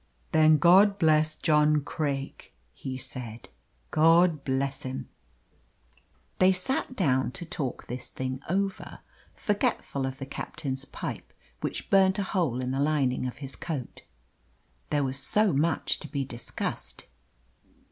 "Then God bless John Craik!" he said. "God bless him." They sat down to talk this thing over, forgetful of the captain's pipe, which burnt a hole in the lining of his coat. There was so much to be discussed.